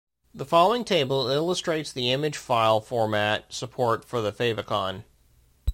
The following table illustrates the image file format support for the favicon.